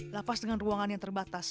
lapas dengan ruangan yang terbatas